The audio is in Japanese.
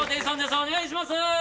お願いします。